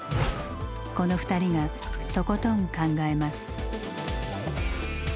この２人がとことん考えます。